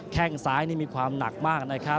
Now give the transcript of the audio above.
แค่งซ้ายนี่มีความหนักมากนะครับ